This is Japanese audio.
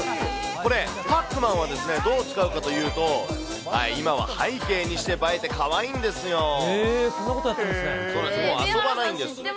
これ、パックマンはどう使うかというと、今は背景にして映えてかわいいんそんなことやってるんですね。